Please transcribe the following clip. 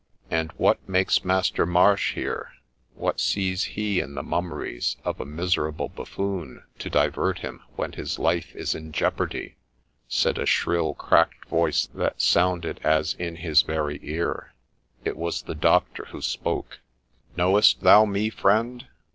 ' And what makes Master Marsh here ? what sees he in the mummeries of a miserable buffoon to divert him when his life is in jeopardy ?' said a shrill cracked voice that sounded as in his very ear. It was the doctor who spoke. ' Knowest thou me, friend